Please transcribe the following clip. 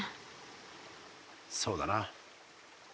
そうだな。